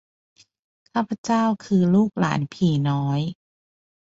ข้าพเจ้าคือ ลูกหลานผีน้อย